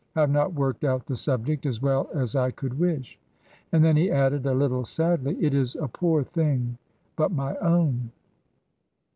I have not worked out the subject as well as I could wish." And then he added, a little sadly, "It is a poor thing, but my own."